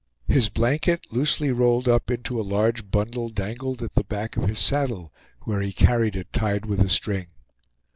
His blanket, loosely rolled up into a large bundle, dangled at the back of his saddle, where he carried it tied with a string.